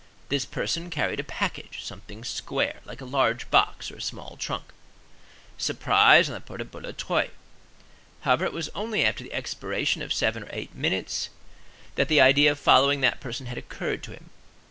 This person carried a package—something square, like a large box or a small trunk. Surprise on the part of Boulatruelle. However, it was only after the expiration of seven or eight minutes that the idea of following that "person" had occurred to him.